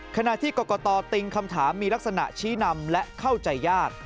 ขณะที่กรกตติงคำถามมีลักษณะชี้นำและเข้าใจยาก